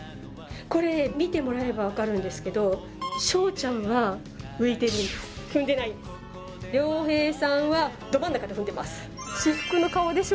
これ見てもらえれば分かるんですけど翔ちゃんは浮いてるんです踏んでないんです涼平さんはど真ん中で踏んでます